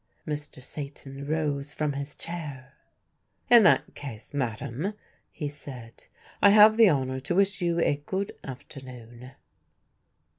Mr. Satan rose from his chair. "In that case, madam," he said, "I have the honour to wish you a good afternoon."